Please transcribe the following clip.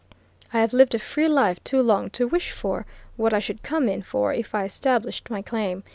I have lived a free life too long to wish for what I should come in for if I established my claim.